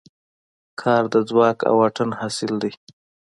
کار د ځواک او واټن حاصل دی.